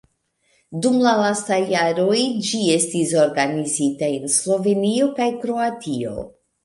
Dum la lastaj jaroj ĝi estis organizita en Slovenio kaj Kroatio.